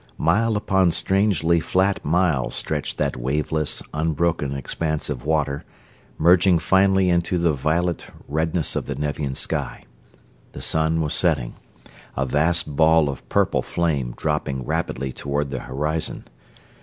Mile upon strangely flat mile stretched that waveless, unbroken expanse of water, merging finally into the violent redness of the Nevian sky. The sun was setting; a vast ball of purple flame dropping rapidly toward the horizon.